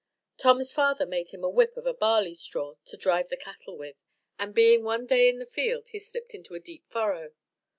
Tom's father made him a whip of a barley straw to drive the cattle with, and being one day in the field he slipped into a deep furrow.